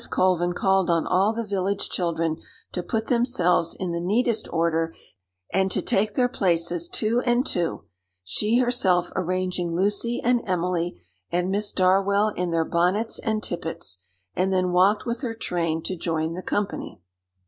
Colvin called on all the village children to put themselves in the neatest order, and to take their places two and two, she herself arranging Lucy and Emily and Miss Darwell in their bonnets and tippets; and then walked with her train to join the company.